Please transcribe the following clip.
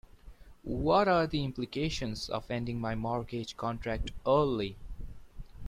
What are the implications of ending my mortgage contract early?